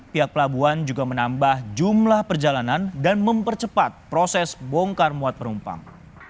pihak pelabuhan juga menambah jumlah perjalanan dan mempercepat proses bongkar muat penumpang